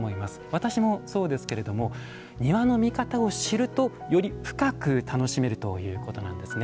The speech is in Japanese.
私もそうですけど庭の見方を知ると、より深く楽しめるということなんですね。